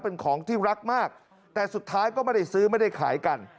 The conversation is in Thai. เป็นของที่รักมากแต่สุดท้ายก็ไม่ได้ซื้อไม่ได้ขายกัน